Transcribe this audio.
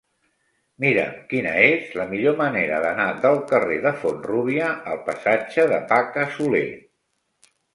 Mira'm quina és la millor manera d'anar del carrer de Font-rúbia al passatge de Paca Soler.